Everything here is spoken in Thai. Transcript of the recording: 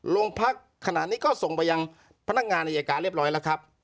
พักขณะนี้ก็ส่งไปยังพนักงานอายการเรียบร้อยแล้วครับ